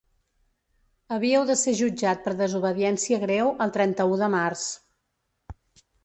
Havíeu de ser jutjat per desobediència greu el trenta-u de març.